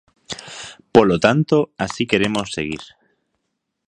Polo tanto, así queremos seguir.